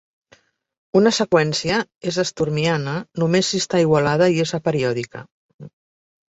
Una seqüència és "esturmiana" només si està igualada i és aperiòdica.